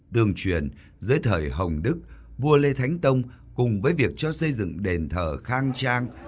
tương truyền dưới thời hồng đức vua lê thánh tông cùng với việc cho xây dựng đền thờ khang trang